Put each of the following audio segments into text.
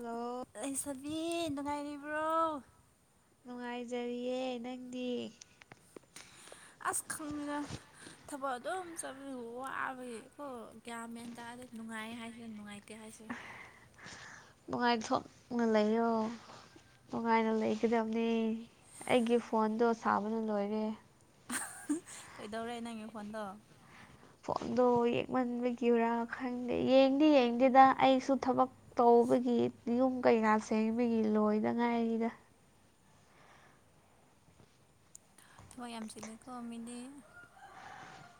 hello ꯂꯩꯁꯥꯕꯤ ꯅꯨꯡꯉꯥꯏꯔꯤꯕ꯭ꯔꯣ ꯅꯨꯡꯉꯥꯏꯖꯥꯔꯤꯌꯦ ꯅꯪꯗꯤ ꯑꯁ ꯈꯪꯗꯦꯗ ꯊꯕꯛ ꯑꯗꯨꯝ ꯆꯠꯄꯅꯤꯅ ꯋꯥꯕꯒꯤ ꯀꯣ ꯒꯌ꯭ꯥꯟ ꯃꯦꯟ ꯇꯗꯦꯗ ꯅꯨꯡꯉꯥꯏ ꯍꯥꯏꯁꯤꯔꯥ ꯅꯨꯡꯉꯥꯏꯇꯦ ꯍꯥꯏꯁꯤꯔꯥ ꯅꯨꯡꯉꯥꯏꯊꯣꯛꯅ ꯂꯩꯌꯣ ꯅꯨꯡꯉꯥꯏꯅ ꯂꯩꯒꯗꯕꯅꯤ ꯑꯩꯒꯤ ꯐꯣꯟꯗꯣ ꯁꯥꯕꯅ ꯂꯣꯏꯔꯦ ꯀꯩꯗꯧꯔꯦ ꯅꯪꯒꯤ ꯐꯣꯟꯗꯣ ꯐꯣꯟꯗꯣ ꯌꯦꯛꯃꯟꯕꯒꯤꯔꯥ ꯈꯪꯗꯦ ꯌꯦꯡꯗꯤ ꯌꯦꯡꯗꯦꯗ ꯑꯩꯁꯨ ꯊꯕꯛ ꯇꯧꯕꯒꯤ ꯌꯨꯝ ꯀꯩꯀꯥ ꯁꯦꯝꯕꯒꯤ ꯂꯣꯏꯗꯉꯥꯏꯔꯤꯗ ꯊꯕꯛ ꯌꯥꯝ ꯆꯤꯜꯂꯤꯀꯣ ꯃꯤꯗꯤ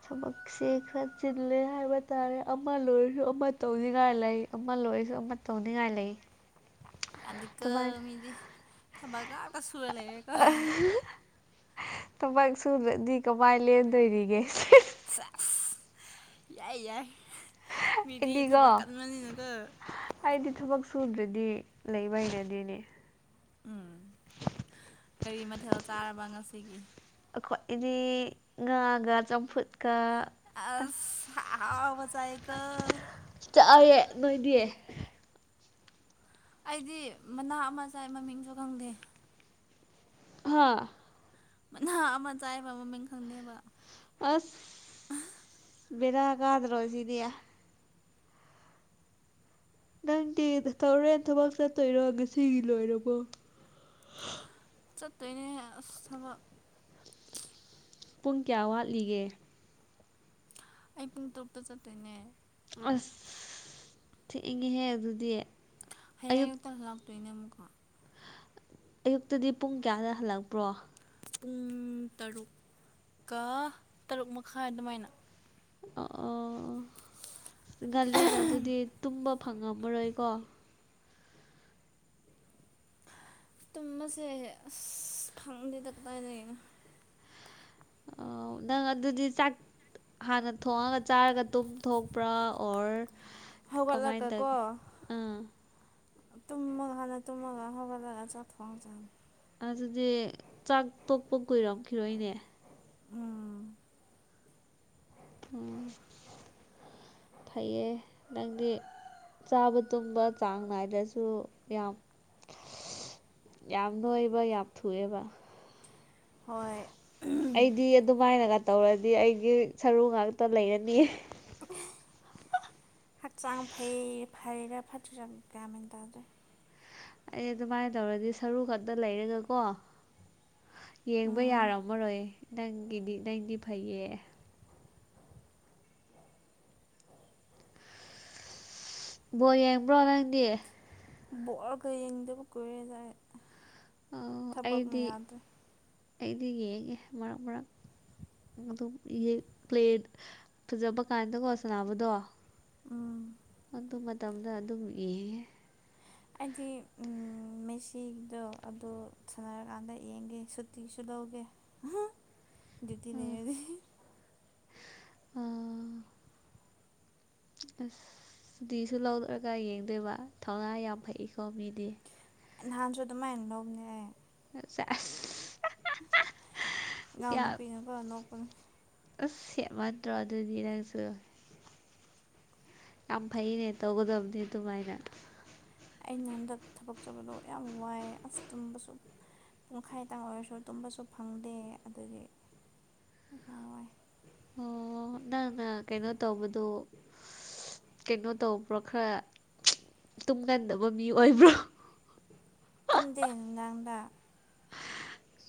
ꯊꯥꯕꯛꯁꯦ ꯈꯥꯔ ꯆꯤꯜꯂꯦ ꯍꯥꯏꯕ ꯇꯥꯔꯦ ꯑꯃ ꯂꯣꯏꯔꯁꯨ ꯑꯃ ꯇꯧꯅꯤꯡꯉꯥꯏ ꯂꯩ ꯑꯃ ꯂꯣꯏꯔꯁꯨ ꯑꯃ ꯇꯧꯅꯤꯡꯉꯥꯏ ꯂꯩꯌꯦ ꯌꯥꯗꯦꯀꯣ ꯃꯤꯗꯤ ꯊꯕꯛꯉꯥꯛꯇ ꯁꯨꯔꯥ ꯂꯩꯔꯦꯀꯣ ꯊꯥꯕꯛ ꯁꯨꯗ꯭ꯔꯗꯤ ꯀꯃꯥꯏꯅ ꯂꯦꯟꯗꯣꯏꯔꯤꯒꯦ ꯁꯦꯖ ꯌꯥꯏ ꯌꯥꯏ ꯃꯤꯗꯤ ꯊꯥꯕꯛ ꯑꯩꯗꯤꯀꯣ ꯀꯟꯕꯅꯤꯅꯀꯣ ꯑꯩꯗꯤ ꯊꯥꯕꯛ ꯁꯨꯗ꯭ꯔꯗꯤ ꯂꯩꯕ ꯍꯩꯅꯗꯦꯅꯦ ꯎꯝ [unintelligible] ꯀꯔꯤ ꯃꯥꯊꯦꯜ ꯆꯥꯔꯕ ꯉꯁꯤꯒꯤ ꯑꯩꯈꯣꯏ ꯏꯗꯤ ꯉꯥꯒ ꯆꯝꯐꯨꯠꯀ ꯑꯁ ꯑꯍꯥꯎ ꯑꯍꯥꯎꯕ ꯆꯥꯏꯀꯣ ꯆꯥꯏꯌꯦ ꯅꯣꯏꯗꯤ ꯑꯩꯗꯤ ꯃꯅꯥ ꯑꯃ ꯆꯥꯏ ꯃꯃꯤꯡꯁꯨ ꯈꯪꯗꯦ ꯍꯥ ꯃꯥꯅ ꯑꯃ ꯆꯥꯏꯕ ꯃꯃꯤꯡ ꯈꯪꯗꯦꯕ ꯑꯁ ꯕꯦꯔꯥ ꯀꯗ꯭ꯔꯣ ꯑꯁꯤꯗꯤ ꯅꯪꯗꯤ ꯇꯧꯔꯦꯟ ꯊꯕꯛ ꯆꯠꯇꯣꯏꯔꯣ ꯉꯁꯤꯒꯤ ꯂꯣꯏꯔꯕꯣ ꯆꯠꯇꯣꯏꯅꯦ ꯑꯁ ꯊꯕꯛ ꯄꯨꯡ ꯀꯌꯥ ꯋꯥꯠꯂꯤꯒꯦ ꯑꯩ ꯄꯨꯡ ꯇꯔꯨꯛꯇ ꯆꯠꯇꯣꯏꯅꯦ ꯑꯁ ꯊꯦꯡꯉꯤꯍꯦ ꯑꯗꯨꯗꯤ ꯍꯌꯦꯡ ꯑꯌꯨꯛ ꯑꯌꯨꯛꯇ ꯂꯥꯛꯇꯣꯏꯅꯣ ꯑꯃꯨꯛꯀ ꯑꯌꯨꯛꯇꯥꯗꯤ ꯄꯨꯡ ꯀꯌꯥꯗ ꯍꯜꯂꯛꯄ꯭ꯔꯣ ꯄꯨꯡ ꯇꯔꯨꯛꯀ ꯇꯔꯨꯛ ꯃꯈꯥꯏ ꯑꯗꯨꯃꯥꯏꯅ ꯑ ꯑꯣ ꯉꯟꯂꯤꯅ ꯑꯗꯨꯗꯤ ꯇꯨꯝꯕ ꯐꯪꯉꯝꯃꯔꯣꯏꯀꯣ ꯇꯨꯝꯕꯁꯦ ꯑꯁ ꯐꯪꯗꯦꯗ ꯀꯗꯥꯏꯗꯒꯤꯅꯣ [unintelligible] ꯅꯪ ꯑꯗꯨꯗꯤ ꯆꯥꯛ ꯍꯥꯟꯅ ꯊꯣꯡꯉꯒ ꯆꯥꯔꯒ ꯇꯨꯝꯊꯣꯡ ꯄ꯭ꯔꯥ ꯑꯣꯔ ꯀꯃꯥꯏꯅ ꯍꯧꯒꯠꯂꯒꯀꯣ ꯇꯧꯒꯦ ꯑꯥ ꯇꯨꯝꯃꯒ ꯍꯥꯟꯅ ꯇꯨꯝꯃꯒ ꯍꯧꯒꯠꯂꯒ ꯆꯥꯛꯊꯣꯡꯉꯥ ꯆꯅꯤ ꯑꯗꯨꯗꯤ ꯆꯥꯛ ꯇꯣꯛꯄ ꯀꯨꯏꯔꯝꯈꯤꯔꯣꯏꯅꯦ ꯎꯝ ꯎꯝ ꯐꯩꯌꯦ ꯅꯪꯗꯤ ꯆꯥꯕ ꯇꯨꯝꯕ ꯆꯥꯡ ꯅꯥꯏꯗꯁꯨ ꯌꯥꯝ ꯌꯥꯝ ꯅꫭꯏꯕ ꯌꯥꯝ ꯊꯨꯏꯑꯦꯕ ꯍꯣꯏ ꯑꯩꯗꯤ ꯑꯗꯨꯃꯥꯏꯅꯒ ꯇꯧꯔꯗꯤ ꯑꯩꯒꯤ ꯁꯔꯨ ꯉꯥꯛꯇ ꯂꯩꯔꯅꯤ ꯍꯛꯆꯥꯡ ꯐꯩ ꯐꯩꯔꯤꯔ ꯐꯠꯇꯔꯤꯔ ꯒꯤꯌ‌ꯦꯟ ꯃꯦꯟ ꯇꯥꯗ꯭ꯔꯦ ꯑꯩ ꯑꯗꯨꯃꯥꯏꯅ ꯇꯧꯔꯗꯤ ꯁꯔꯨ ꯈꯛꯇ ꯂꯩꯔꯒ ꯀꯣ ꯌꯦꯡꯕ ꯎꯝ ꯌꯥꯔꯝꯃꯔꯣꯏ ꯅꯪꯒꯤꯗꯤ ꯅꯪꯗꯤ ꯐꯩꯌꯦ ꯕꯣꯜ ꯌꯦꯡꯕ꯭ꯔꯣ ꯅꯪꯗꯤ ꯕꯣꯜꯒ ꯌꯦꯡꯗꯕ ꯀꯨꯏꯔꯦꯗ‌ ꯑꯩ ꯑꫭ ꯊꯕꯛꯅ ꯑꯩꯗꯤ ꯌꯥꯗ꯭ꯔꯦ ꯑꯩꯗꯤ ꯌꯦꯡꯉꯦ ꯃꯔꯛ ꯃꯔꯛ ꯑꯗꯨꯝ ꯄ꯭ꯂꯦ ꯐꯖꯕ ꯀꯥꯟꯗꯀꯣ ꯁꯅꯕꯗꯣ ꯎꯝ ꯑꯗꯨ ꯃꯇꯝꯗ ꯑꯗꯨꯝ ꯌꯦꯡꯉꯦ ꯑꯩꯗꯤ ꯎꯝ ꯃꯦꯁꯤꯗꯣ ꯑꯗꯨ ꯁꯥꯟꯅꯔꯀꯥꯟꯗ ꯌꯦꯡꯒꯦ ꯁꯨꯇꯤꯁꯨ ꯂꯧꯒꯦ ꯍꯥ ꯑꯥ ꯗꯤꯌꯨ꯭ꯇꯤꯂꯩꯔꯗ ꯑꯥ ꯑꯁ ꯁꯨꯇꯤꯁꯨ ꯂꯧꯗꯔꯒ ꯌꯦꯡꯗꯣꯏꯕ ꯊꯧꯅꯥ ꯌꯥꯝ ꯐꯩꯩꯀꯣ ꯃꯤꯗꯤ ꯅꯍꯥꯟꯁꯨ ꯑꯗꯨꯃꯥꯏꯅ ꯂꯧꯕꯅꯦ ꯑꯩ ꯆꯦ [unintelligible] ꯏꯅꯥꯎꯅꯨꯄꯤꯅ ꯀꫭ ꯅꯣꯛꯄꯅꯤ ꯑꯁ ꯍꯦꯃꯟꯗ꯭ꯔꯣ ꯑꯗꯨꯗꯤ ꯅꯪꯁꯨ ꯌꯥꯝ ꯐꯩꯅꯦ ꯇꯧꯒꯗꯕꯅꯤ ꯑꯗꯨꯃꯥꯏꯅ ꯑꯩꯅ ꯍꯟꯗꯛ ꯊꯕꯛ ꯆꯠꯕꯗꯣ ꯌꯥꯝ ꯋꯥꯏꯑ ꯑꯁ ꯇꯨꯝꯕꯁꯨ ꯄꯨꯡꯈꯥꯏꯇꯪ ꯑꯣꯏꯔꯁꯨ ꯇꯨꯝꯕꯁꯨ ꯐꯪꯗꯦ ꯑꯗꯨꯒꯤ ꯌꯥꯝ ꯋꯥꯏ ꯑꯣ ꯅꯪꯅ ꯀꯩꯅꯣ ꯇꯧꯕꯗꯣ ꯀꯩꯅꯣ ꯇꯧꯕ꯭ꯔꯣ ꯈꯔ ꯇꯨꯝꯒꯟꯗꯕ ꯃꯤ ꯑꯣꯏꯕ꯭ꯔꯣ ꯇꯨꯝꯗꯦ ꯅꯨꯡꯗꯥꯡꯗꯥ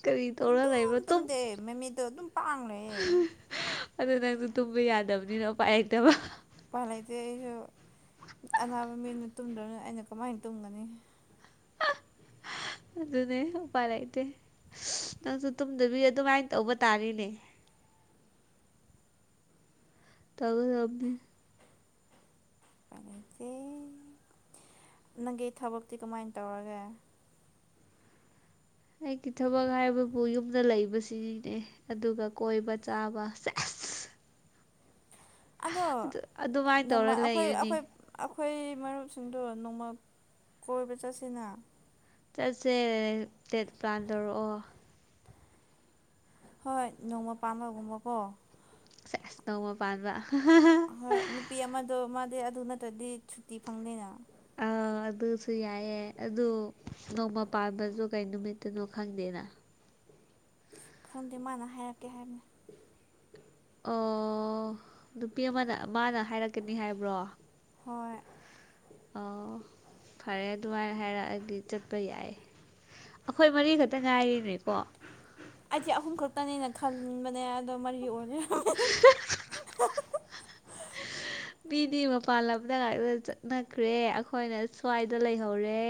ꯀꯔꯤ ꯇꯧꯔꯒ ꯂꯩꯕ꯭ꯔꯥ ꯇꯨꯝ ꯇꯨꯝꯗꯦ ꯃꯃꯤꯠꯇꯣ ꯑꯗꯨꯝ ꯄꯥꯡ ꯂꯩꯌꯦ ꯑꯗꯨ ꯅꯪꯁꯨ ꯇꯨꯝꯕ ꯌꯥꯗꯕꯅꯤꯅ ꯎꯄꯥꯥꯏ ꯂꯩꯇꯕ ꯎꯄꯥꯏ ꯂꯩꯇꯦ ꯑꯩꯁꯨ ꯑꯅꯥꯕ ꯃꯤꯅ ꯇꯨꯝꯗꯔꯕꯅꯤꯅ ꯑꯩꯅ ꯀꯃꯥꯏꯅ ꯇꯨꯝꯒꯅꯤ ꯑꯗꯨꯅꯦ ꯎꯄꯥꯏ ꯂꯩꯇꯦ ꯅꯪꯁꯨ ꯇꯨꯝꯗꯕꯤ ꯑꯗꯨꯃꯥꯏꯅ ꯇꯧꯕ ꯇꯥꯔ‌ꯦꯅꯦ ꯇꯧꯒꯗꯕꯅꯤ ꯎꯄꯥꯏ ꯂꯩꯇ‌ꯦ ꯅꯪꯒꯤ ꯊꯕꯛꯇꯤ ꯀꯃꯥꯏꯅ ꯇꯧꯔꯒꯦ ꯑꯩꯒꯤ ꯊꯕꯛ ꯍꯥꯏꯕꯕꯨ ꯌꯨꯝꯗ ꯂꯩꯕꯁꯤꯅꯤꯅꯦ ꯑꯗꯨꯒ ꯀꯣꯏꯕ ꯆꯥꯕ ꯆ [unintelligible] ꯑꯗꯣ ꯑꯗꯨ ꯑꯗꯨꯃꯥꯏꯅ ꯅꯣꯡꯃ ꯇꯧꯔ ꯑꯩꯈꯣꯏ ꯂꯩꯔꯅꯤ ꯑꯩꯈꯣꯏ ꯑꯩꯈꯣꯏ ꯃꯔꯨꯞꯁꯤꯡꯗꯣ ꯅꯣꯡꯃ ꯀꯣꯏꯕ ꯆꯠꯁꯦꯅ ꯆꯠꯁꯦ ꯗꯦꯠ ꯄ꯭ꯂꯥꯟ ꯇꯧꯔꯛꯑꯣ ꯍꯣꯏ ꯅꯣꯡꯃ ꯄꯥꯝꯕꯒꯨꯝꯕꯀꯣ ꯁꯦꯁ ꯅꯣꯡꯃ ꯄꯥꯟꯕ ꯍꯣꯏ ꯅꯨꯄꯤ ꯑꯃꯗꯣ ꯃꯥꯗꯤ ꯑꯗꯨ ꯅꯠꯇ꯭ꯔꯗꯤ ꯁꯨꯇꯤ ꯐꯪꯗꯦꯅ ꯑꯥ ꯑꯗꯨꯁꯨ ꯌꯥꯏꯌꯦ ꯑꯗꯨ ꯅꯣꯡꯃ ꯄꯥꯟꯕꯁꯨ ꯀꯩ ꯅꯨꯃꯤꯠꯇꯅꯣ ꯈꯪꯗꯦꯅ ꯈꯪꯗꯦ ꯃꯥꯅ ꯍꯥꯏꯔꯛꯀꯦ ꯍꯥꯏꯕꯅꯦ ꯑꯣ ꯅꯨꯄꯤ ꯑꯃꯅ ꯃꯥꯅ ꯍꯥꯏꯔꯛꯀꯅꯤ ꯍꯥꯏꯕ꯭ꯔꯣ ꯍꯣꯏ ꯑꯣ ꯐꯔꯦ ꯑꯗꯨꯃꯥꯏ ꯍꯥꯏꯔꯛꯑꯗꯤ ꯆꯠꯄ ꯌꯥꯏ ꯑꯩꯈꯣꯏ ꯃꯔꯤ ꯈꯛꯇ ꯉꯥꯏꯔꯦꯅꯦꯀꯣ ꯑꯩꯗꯤ ꯑꯍꯨꯝ ꯈꯛꯇꯅꯦꯅ ꯈꯟꯕꯅꯦ ꯑꯗꯣ ꯃꯔꯤ ꯑꯣꯏꯅ ꯂꯩꯔꯝꯃꯦ ꯃꯤꯗꯤ ꯃꯄꯥꯟ ꯂꯝꯗ ꯉꯥꯛꯇ ꯆꯠꯅꯈ꯭ꯔꯦ ꯑꯩꯈꯣꯏꯅ ꯁ꯭ꯋꯥꯏꯗ ꯂꯩꯍꯧꯔꯦ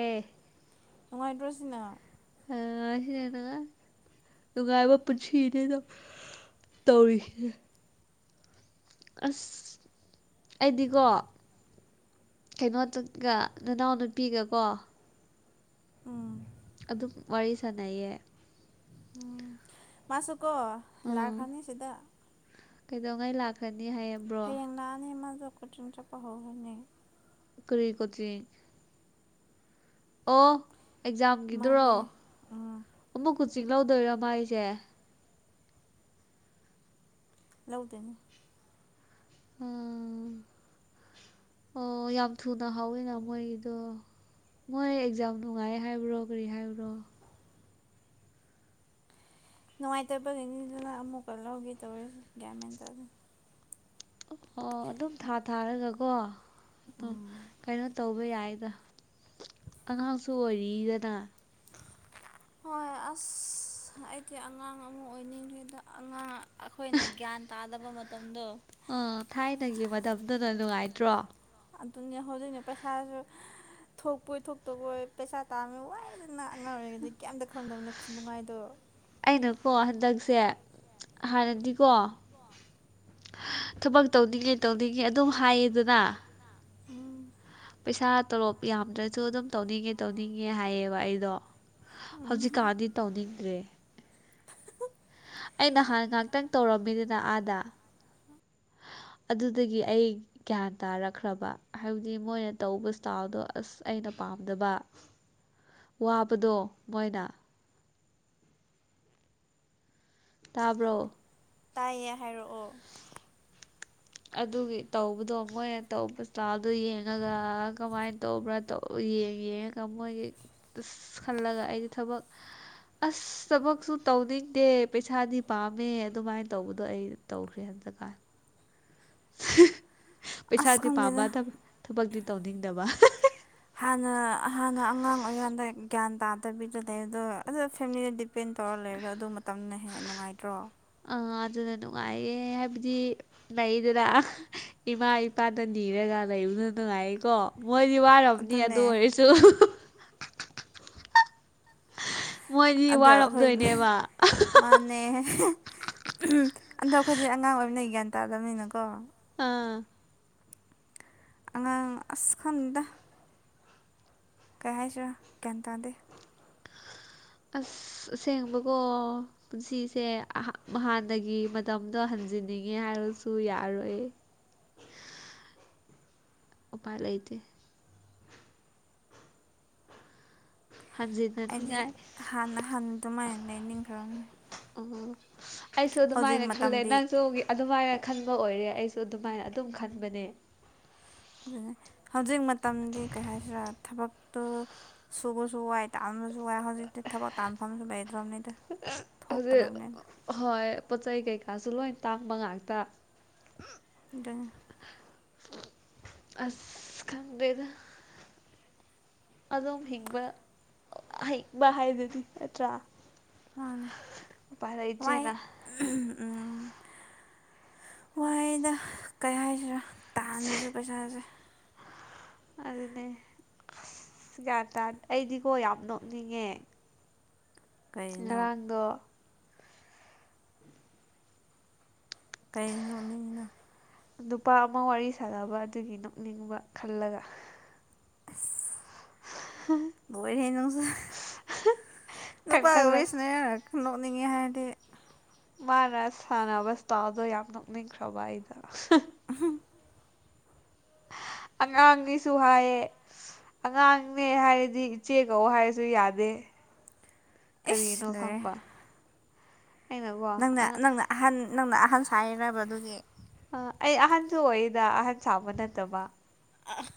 ꯅꯨꯡꯉꯥꯏꯇ꯭ꯔꯣꯁꯤꯅ ꯑꯥ ꯁꯤꯅ ꯅꯨꯡꯉꯥꯏ ꯅꯨꯡꯉꯥꯏꯕ ꯄꯨꯟꯁꯤꯅꯤꯗ ꯇꯧꯔꯤ ꯑꯁ ꯑꯩꯗꯤꯀꯣ ꯀꯩꯅꯣ ꯆꯠꯒ ꯅꯅꯥꯎ ꯅꯨꯄꯤꯒꯀꯣ ꯎꯝ ꯑꯗꯨꯝ ꯋꯥꯔꯤ ꯁꯥꯟꯅꯩꯌꯦ ꯎꯝ ꯃꯥꯁꯨ ꯀꯣ ꯎꯝ ꯂꯥꯛꯈ꯭ꯔꯅꯤ ꯁꯤꯗ ꯀꯩꯗꯧꯉꯩ ꯂꯥꯛꯀꯅꯤ ꯍꯥꯏꯌꯦ ꯍꯌꯦꯡ ꯂꯚꯑꯅꯤ ꯃꯥꯗꯣ ꯀꯣꯆꯤꯡ ꯆꯠꯄ ꯍꯧꯔꯅꯤ ꯀꯔꯤ ꯀꯣꯆꯤꯡ ꯑꯣ ꯑꯦꯛꯖꯥꯝꯒꯤꯗꯨꯔꯣ ꯃꯥꯒꯤ ꯎꯝ ꯑꯃꯨꯛ ꯀꯣꯆꯤꯡ ꯂꯧꯗꯣꯏꯔꯥ ꯃꯥꯏꯁꯦ ꯂꯧꯗꯥꯅꯤ ꯎꯝ [inaudible] ꯑꯣ ꯌꯥꯝ ꯊꯨꯅ ꯍꯥꯎꯋꯤꯅ ꯃꯣꯏꯒꯤꯗꯣ ꯃꯣꯏ ꯑꯦꯛꯖꯥꯝ ꯅꯨꯡꯉꯥꯏ ꯍꯥꯏꯕ꯭ꯔꯣ ꯀꯔꯤ ꯍꯥꯏꯕ꯭ꯔꯣ ꯅꯨꯡꯉꯥꯏꯇꯕꯒꯤꯅꯤꯗꯅ ꯑꯃꯨꯛꯀ ꯂꯧꯒꯦ ꯇꯧꯔꯤꯁꯦ ꯒ꯭ꯌꯥꯃꯦꯟ ꯇꯗꯦ ꯑꯣ ꯑꯗꯨꯝ ꯊꯥ ꯊꯥꯔꯒꯀꯣ ꯑꯗꯨ ꯎꯝ ꯀꯩꯅꯣ ꯇꯧꯕ ꯌꯥꯏꯗ ꯑꯉꯥꯡꯁꯨ ꯑꯣꯏꯔꯤꯗꯅ ꯍꯣꯏ ꯑꯁ ꯑꯩꯗꯤ ꯑꯉꯥꯡ ꯑꯃꯨꯛ ꯑꯣꯏꯅꯤꯡꯉꯦꯗ ꯑꯉꯥꯡ ꯑꯩꯈꯣꯏꯅ ꯒ꯭ꯌꯥꯟ ꯇꯥꯗꯕ ꯃꯇꯝꯗꯣ ꯑꯥ ꯊꯥꯏꯅꯒꯤ ꯃꯇꯝꯗꯨꯅ ꯅꯨꯡꯉꯥꯏꯇ꯭ꯔꯣ ꯑꯗꯨꯅꯦ ꯍꯧꯖꯤꯛꯅ ꯄꯩꯁꯥꯁꯨ ꯊꯣꯛꯄꯣꯏ ꯊꯣꯛꯇꯕꯣꯏ ꯄꯩꯁꯥ ꯇꯥꯟꯕ ꯋꯥꯏꯗꯅ ꯑꯉꯥꯡ ꯑꯣꯏꯔꯤꯉꯩꯗꯤ ꯀꯦꯝꯇ ꯈꯪꯗꯃꯤꯅꯥ ꯈꯨꯅꯨꯡꯉꯥꯏꯗꯣ ꯑꯩꯅꯀꯣ ꯍꯟꯗꯛꯁꯦ ꯍꯥꯟꯅꯗꯤꯀꯣ ꯊꯕꯛ ꯇꯧꯅꯤꯡꯉꯦ ꯇꯧꯅꯤꯡꯉꯦ ꯑꯗꯨꯝ ꯍꯥꯏꯌꯦꯗꯅ ꯎꯝ ꯄꯩꯁꯥ ꯇꯣꯂꯣꯞ ꯌꯥꯝꯗ꯭ꯔꯁꯨ ꯑꯗꯨꯝ ꯇꯧꯅꯤꯡꯉꯦ ꯇꯧꯅꯤꯡꯉꯦ ꯍꯥꯏꯌꯦꯕ ꯑꯩꯗꯣ ꯎꯝ ꯍꯧꯖꯤꯛꯀꯥꯟꯗꯤ ꯇꯧꯅꯤꯡꯗ꯭ꯔꯦ ꯑꯩ ꯅꯍꯥꯟ ꯉꯥꯇꯪ ꯇꯧꯔꯝꯃꯤꯗꯅ ꯑꯥꯗ [inaudible] ꯑꯗꯨꯗꯒꯤ ꯑꯩ ꯒ꯭ꯌꯥꯟ ꯇꯥꯔꯛꯈ꯭ꯔꯕ ꯍꯥꯏꯕꯗꯤ ꯃꯣꯏꯅ ꯇꯧꯕ ꯏꯁꯇꯥꯥꯏꯜꯗꯣ ꯑꯁ ꯑꯩꯅ ꯄꯥꯝꯗꯕ [inaudible] ꯋꯥꯕꯗꯣ ꯃꯣꯏꯅ ꯇꯥꯕ꯭ꯔꯣ ꯇꯥꯏꯌꯦ ꯍꯥꯏꯔꯛꯑꯣ ꯑꯗꯨꯒꯤ ꯇꯧꯕꯗꯣ ꯃꯣꯏꯅ ꯇꯧꯕꯆꯥꯗꯨꯣ ꯌꯦꯡꯉꯒ ꯀꯃꯥꯏꯅ ꯇꯧꯕ꯭ꯔꯥ ꯇꯧ ꯌꯦꯡ ꯌꯦꯡꯉꯒ ꯃꯣꯏꯒꯤ ꯈꯜꯂꯒ ꯑꯩꯒꯤ ꯊꯕꯛ ꯑꯁ ꯊꯕꯛꯁꯨ ꯇꯧꯅꯤꯡꯗꯦ ꯄꯩꯁꯥꯗꯤ ꯄꯥꯝꯃꯦ ꯑꯗꯨꯃꯥꯏꯅ ꯇꯧꯕꯗꯣ ꯑꯩ ꯇꯧꯈ꯭ꯔꯦ ꯑꯗꯨꯗꯀꯥꯟ ꯑꯁ ꯄꯩꯁꯥꯗꯤ ꯈꯪꯗꯦꯗ ꯄꯥꯝꯝꯕꯗꯕ ꯊꯕꯛꯇꯤ ꯇꯧꯅꯤꯡꯗꯕ ꯍꯥꯟꯅ ꯍꯥꯟꯅ ꯑꯉꯥꯡ ꯑꯣꯏꯔꯤꯀꯥꯟꯗ ꯒ꯭ꯌꯥꯟ ꯇꯥꯗꯕꯤꯗ ꯂꯩ ꯑꯗꯣ ꯑꯗꯨ ꯐꯦꯃꯤꯂꯤꯗ ꯄꯦꯟ ꯇꯧꯔ ꯂꯩꯔꯒꯣ ꯑꯗꯨ ꯃꯇꯝꯅ ꯍꯦꯟꯅ ꯅꯨꯡꯉꯥꯏꯇ꯭ꯔꯣ ꯑ ꯑꯗꯨꯅ ꯅꯨꯡꯉꯥꯏꯌꯦꯦ ꯍꯥꯏꯕꯗꯤ ꯃꯗꯨꯅ ꯏꯃꯥ ꯏꯄꯥꯗ ꯅꯤꯔꯒ ꯂꯩꯕꯅ ꯅꯨꯡꯉꯥꯏꯀꯣ ꯃꯣꯏꯗꯤ ꯋꯥꯔꯝꯅꯤ ꯑꯗꯨꯅꯦ ꯑꯗꯨ ꯑꯣꯏꯔꯁꯨ ꯃꯣꯏꯗꯤ ꯑꯗꯣ ꯑꯩꯈꯣꯏꯅꯦ ꯋꯥꯔꯝꯗꯣꯏꯅꯦꯕ ꯃꯟꯅꯦ ꯑꯗꯣ ꯑꯈꯣꯏꯗꯤ ꯑꯉꯥꯡ ꯑꯣꯏꯕꯅꯤꯅ ꯒ꯭ꯌꯥꯟ ꯇꯥꯗꯕꯅꯤꯅꯀꯣ ꯑꯥ ꯑꯉꯥꯡ ꯑꯁ ꯈꯪꯗ ꯀꯩ ꯍꯥꯏꯁꯤꯔꯥ ꯒꯌ꯭ꯥꯟ ꯇꯥꯗꯦ ꯑꯁ ꯁꯦꯡꯕꯀꯣ ꯄꯨꯟꯁꯤꯁꯦ ꯑꯍ ꯍꯥꯟꯅꯒꯤ ꯃꯇꯝꯗꯣ ꯍꯟꯖꯤꯟꯅꯤꯡꯉꯦ ꯍꯥꯏꯔꯁꯨ ꯌꯥꯔꯣꯏꯌꯦ ꯎꯄꯥꯏꯂꯩꯇꯦ ꯍꯖꯤꯠ ꯑꯩꯗꯤ ꯍꯥꯟꯅ ꯍꯟ ꯗꯨꯃꯥꯏꯅ ꯂꯩꯅꯤꯡꯈ꯭ꯔꯝꯅꯦ ꯎꯃꯍꯨꯝ ꯑꯩꯁꯨ ꯑꯗꯨꯃꯥꯏꯅ ꯈꯜꯂꯦ ꯃꯇꯝꯗꯤ ꯅꯪꯁꯨ ꯑꯗꯨꯃꯥꯏꯅ ꯈꯟꯕ ꯑꯣꯏꯔꯦ ꯑꯩꯁꯨ ꯑꯗꯨꯃꯥꯏꯅ ꯑꯗꯨꯝ ꯈꯟꯕꯅꯦ ꯑꯗꯨꯅꯦ ꯍꯧꯖꯤꯛ ꯃꯇꯝꯗꯤ ꯀꯩꯍꯥꯏꯁꯤꯔꯥ ꯊꯕꯛꯇꯨ ꯁꯨꯕꯁꯨꯨ ꯋꯥꯏ ꯇꯥꯟꯕꯁꯨꯨ ꯋꯥꯥꯏ ꯍꯧꯖꯤꯛꯇꯤ ꯊꯕꯛ ꯇꯥꯟꯐꯝꯁꯨ ꯂꯩꯇꯔꯝꯅꯤ ꯍꯧꯖꯤꯛ ꯍꯣꯏ ꯄꯣꯠ ꯆꯩ ꯀꯩꯀꯥꯁꯨ ꯂꯣꯏ ꯇꯥꯡꯕ ꯉꯥꯛꯇꯥ ꯑꯗꯨꯅꯤ ꯑꯁ ꯈꯡꯗꯦꯗꯥ ꯑꯗꯨꯝ ꯍꯤꯡꯕ ꯍꯤꯡꯕ ꯍꯥꯏꯗꯨꯅꯤ ꯅꯠꯇ꯭ꯔꯥ ꯃꯥꯟꯅꯦ ꯎꯄꯥꯏ ꯋꯥꯥꯏ ꯂꯩꯇ꯭ꯔꯦꯅ ꯎꯝꯍꯨꯝ ꯋꯥꯌꯦꯗꯥ ꯀꯩꯍꯥꯏꯁꯤꯔꯥ ꯇꯥꯟꯕꯁꯨ ꯄꯩꯁꯥꯁꯦ ꯑꯗꯨꯅꯦ ꯑꯁ ꯒꯌ꯭ꯥꯟ ꯇꯥꯗꯦ ꯑꯩꯗꯤꯀꯣ ꯌꯥꯝ ꯅꯣꯛꯅꯤꯡꯉꯦ ꯀꯩꯅꯣ ꯉꯔꯥꯡꯗꯣ ꯀꯩ ꯅꯣꯛꯅꯤꯡꯉꯤꯅꯣ ꯅꯨꯄꯥ ꯑꯃꯥ ꯋꯥꯔꯤ ꯁꯥꯟꯅꯕ ꯑꯗꯨꯒꯤ ꯅꯣꯛꯅꯤꯡꯕ ꯈꯜꯂꯒ ꯂꯣꯏꯔꯦꯍꯦ ꯅꯡꯁꯨ ꯈꯟ ꯅꯨꯄꯥꯒ ꯈꯜꯂꯒ ꯁꯟꯅꯩ ꯍꯥꯏꯔꯥ ꯅꯣꯛꯅꯤꯡꯉꯦ ꯍꯥꯏꯔꯗꯤ ꯃꯥꯅ ꯁꯥꯟꯅꯕ ꯁꯇꯥꯥꯎꯗꯣ ꯌꯥꯝ ꯅꯣꯛꯅꯤꯡꯈ꯭ꯔꯕ ꯑꯩꯗꯣ ꯎꯝꯍꯨꯝ ꯑꯉꯥꯡꯅꯦꯁꯨ ꯍꯥꯏꯌꯦ ꯑꯉꯥꯡꯅꯦ ꯍꯥꯏꯔꯗꯤ ꯏꯆꯦ ꯀꯧꯋꯣ ꯍꯥꯏꯔꯁꯨ ꯌꯥꯗꯦ ꯏꯁ ꯀꯔꯤꯅꯣ ꯂꯣꯏꯔꯦ ꯈꯪꯕ ꯑꯩꯅꯀꯣ ꯅꯪꯅ ꯅꯪꯅ ꯑꯍꯟ ꯅꯪꯅ ꯑꯍꯟ ꯁꯥꯏꯔꯕꯑꯗꯨꯒꯤ ꯑ ꯑꯩꯑꯍꯟꯁꯨ ꯑꯣꯏꯌꯦꯗ ꯑꯍꯟ ꯁꯥꯕ ꯅꯠꯇꯕ ꯑꯥ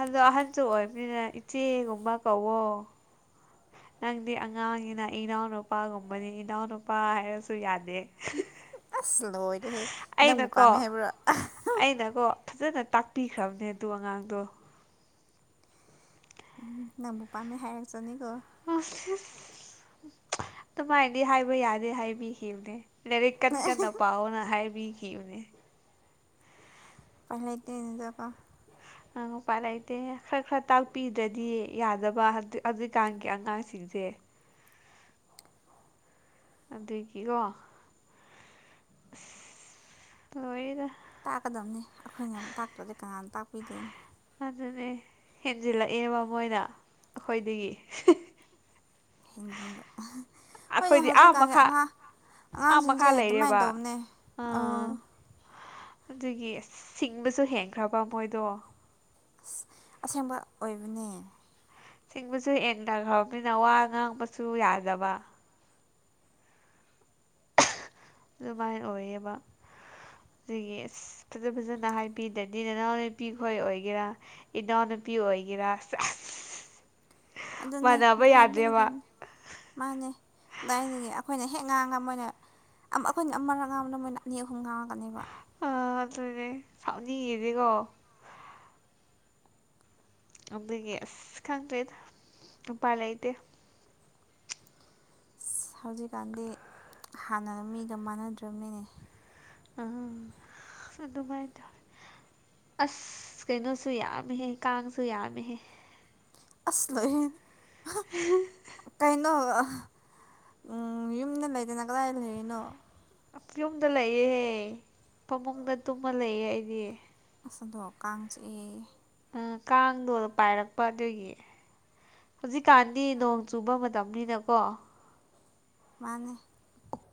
ꯑꯗꯣ ꯑꯍꯟꯁꯨ ꯑꯣꯏꯕꯅꯤꯅ ꯏꯆꯦꯒꯨꯝꯕ ꯀꯧꯋꯣ ꯅꯪꯗꯤ ꯑꯉꯥꯡꯅꯤꯅ ꯏꯅꯥꯎꯅꯨꯄꯥꯒꯨꯝꯕꯅꯤ ꯏꯅꯥꯎꯅꯨꯄꯥ ꯍꯥꯏꯔꯁꯨ ꯌꯥꯗꯦ ꯑꯁ ꯂꯣꯏꯔꯦꯍꯦ ꯅꯪꯕꯨ ꯑꯩꯅꯀꯣ ꯄꯝꯃꯦ ꯍꯥꯏꯕ꯭ꯔꯣ ꯑꯩꯅꯀꯣ ꯐꯖꯅ ꯇꯥꯛꯄꯤꯈ꯭ꯔꯕꯅꯦ ꯑꯗꯨ ꯑꯉꯥꯡꯗꯨ ꯎꯝ ꯅꯡꯕꯨ ꯄꯥꯝꯃꯦ ꯍꯥꯏꯔꯛ ꯆꯥꯅꯤꯀꯣ ꯑꯗꯨꯃꯥꯏꯅꯗꯤ ꯍꯥꯏꯕ ꯌꯥꯗꯦ ꯍꯥꯏꯕꯤꯈꯤꯕꯅꯦ ꯂꯥꯏꯔꯤꯛ ꯀꯟ ꯀꯟꯅ ꯄꯥꯎꯋꯣꯅꯥ ꯍꯥꯏꯕꯤꯈꯤꯕꯅꯦ ꯄꯥꯏꯂꯩꯇꯦ ꯑꯡ ꯎꯄꯥꯏ ꯂꯩꯇꯦ ꯈꯔ ꯈꯔ ꯇꯥꯛꯄꯤꯗ꯭ꯔꯗꯤ ꯌꯥꯗꯕꯥ ꯍꯧꯖꯤꯛ ꯍꯧꯖꯤꯛꯀꯥꯟꯒꯤ ꯑꯉꯥꯡꯁꯤꯡꯁꯦ ꯑꯗꯨꯒꯤꯀꯣ ꯂꯣꯏꯔꯦꯗ ꯇꯥꯛꯀꯗꯝꯅꯤ ꯑꯩꯈꯣꯏꯅ ꯇꯥꯛꯇ꯭ꯔꯗꯤ ꯀꯅꯥꯅ ꯇꯥꯛꯄꯤꯗꯣꯏꯅꯣ ꯑꯗꯨꯅꯦ ꯍꯦꯟꯖꯤꯜꯂꯛꯑꯦꯕ ꯃꯣꯏꯅ ꯑꯩꯈꯣꯏꯗꯒꯤ ꯍꯦꯟꯖꯤꯕ ꯑꯍꯥ ꯍꯣꯏꯅꯦ ꯑꯩꯈꯣꯏꯗꯤ ꯑꯥ ꯍꯧꯖꯤꯛꯀꯥꯟꯒꯤ ꯃꯈꯥ ꯑꯉꯥꯡ ꯑꯥ ꯑꯉꯥꯡꯁꯤꯡꯁꯦ ꯃꯈꯥ ꯑꯗꯨꯃꯥꯏꯅ ꯂꯩꯔꯦꯕ ꯇꯧꯕꯅꯦ ꯑꯥ ꯑꯣ ꯑꯗꯨꯒꯤ ꯁꯤꯡꯕꯁꯨ ꯍꯦꯡꯈ꯭ꯔꯕ ꯃꯣꯏꯗꯣ ꯏꯁ ꯑꯁꯦꯡꯕ ꯑꯣꯏꯕꯅꯦ ꯊꯤꯡꯕꯁꯨ [unintelligible] ꯋꯥ ꯉꯥꯡꯕꯁꯨ ꯌꯥꯗꯕ ꯑꯗꯨꯃꯥꯏ ꯑꯣꯏꯌꯦꯕ ꯑꯗꯨꯒꯤ ꯑꯁ ꯐꯖ ꯐꯖꯅ ꯍꯥꯏꯕꯤꯗꯗꯤ ꯅꯅꯥꯎ ꯅꯨꯄꯤꯈꯣꯏ ꯑꯣꯏꯒꯦꯔꯥ ꯏꯅꯥꯎ ꯅꯨꯄꯤ ꯑꯣꯏꯒꯦꯔꯥ ꯁꯦꯁ ꯑꯗꯨꯅꯦ ꯎꯝ ꯃꯥꯟꯅꯕ ꯌꯥꯗ꯭ꯔꯦꯕ ꯍꯥꯏꯕꯤꯒꯗꯕꯅꯦ ꯃꯥꯟꯅꯦ ꯏꯕꯥꯟꯅꯤꯒꯤ ꯑꯩꯈꯣꯏꯅ ꯍꯦꯛ ꯉꯥꯡꯉ ꯃꯣꯏꯅ ꯑꯝ ꯑꯩꯈꯣꯏꯅ ꯑꯃꯒꯛ ꯉꯥꯡꯕꯗ ꯃꯣꯏꯅ ꯑꯅꯤ ꯑꯍꯨꯝ ꯉꯥꯡꯉꯛꯀꯅꯦꯕ ꯑ ꯑꯗꯨꯅꯦ ꯁꯥꯎꯅꯤꯡꯉꯤꯖꯦꯀꯣ ꯑꯗꯨꯒꯤ ꯑꯁ ꯈꯪꯗ꯭ꯔꯦꯗ ꯎꯄꯥꯏ ꯂꯩꯇꯦ ꯑꯁ ꯍꯧꯖꯤꯛꯀꯥꯟꯗꯤ ꯍꯥꯟꯅ ꯃꯤꯒ ꯃꯥꯟꯅꯗ꯭ꯔꯝꯅꯤꯅꯦ ꯑ ꯑꯗꯨꯃꯥꯏ ꯇꯧ ꯑꯁ ꯀꯩꯅꯣꯁꯨ ꯌꯥꯝꯃꯤꯍꯦ ꯀꯥꯡꯁꯨ ꯌꯥꯝꯃꯤꯍꯦ ꯑꯁ ꯂꯣꯏꯔꯦꯅ ꯍꯍ ꯀꯩꯅꯣ ꯑꯍ ꯎꯝ ꯌꯨꯝꯗ ꯂꯩꯇꯅ ꯀꯗꯥꯏ ꯂꯩꯔꯤꯅꯣ ꯌꯨꯝꯗ ꯂꯩꯌꯦꯍꯦ ꯐꯃꯨꯡꯗ ꯇꯨꯝꯃ ꯂꯩꯌꯦ ꯑꯩꯗꯤ ꯑꯁ ꯑꯗꯣ ꯀꯥꯡ ꯆꯤꯛꯑꯦ ꯑ ꯀꯥꯡꯗꯣ ꯄꯥꯏꯔꯛꯄ ꯑꯗꯨꯒꯤ ꯍꯧꯖꯤꯛꯀꯥꯟꯗꯤ ꯅꯣꯡ ꯆꯨꯕ ꯃꯇꯝꯅꯤꯅꯀꯣ ꯃꯥꯅꯦ